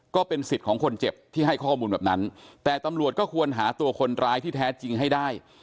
ก็เป็นสิทธิ์ของคนเจ็บที่ให้ข้อมูลแบบนั้นแต่ตำรวจก็ควรหาตัวคนร้ายที่แท้จริงให้ได้